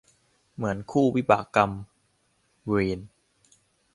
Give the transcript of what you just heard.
เหมือนคู่วิบากกรรมเวร